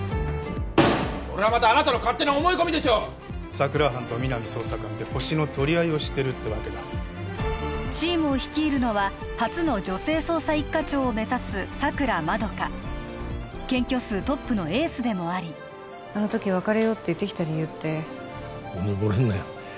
それはまたあなたの勝手な思い込みでしょう佐久良班と皆実捜査官でホシのとりあいをしてるってわけだチームを率いるのは初の女性捜査一課長を目指す佐久良円花検挙数トップのエースでもありあの時別れようって言ってきた理由ってうぬぼれんなよ